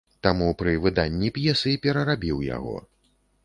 Таму пры выданні п'есы перарабіў яго.